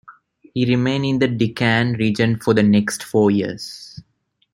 He remained in the Deccan region for the next four years.